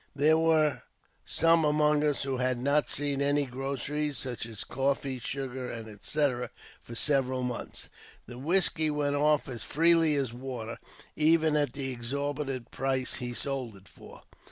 There were some among us who had not seen any groceries, such as coffee, sugar, &c., for several months. The whisky went off as freely as water, even at the exorbitant price he sold it for.